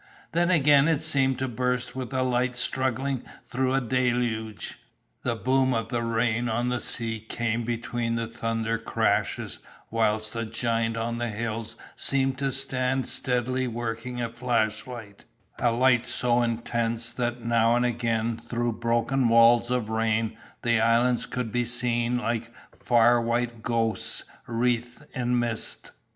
Then again it seemed to burst with a light struggling through a deluge. The boom of the rain on the sea came between the thunder crashes whilst a giant on the hills seemed to stand steadily working a flashlight, a light so intense that now and again through broken walls of rain the islands could be seen like far white ghosts wreathed in mist.